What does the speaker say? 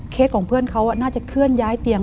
ของเพื่อนเขาน่าจะเคลื่อนย้ายเตียง